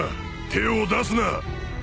手を出すな。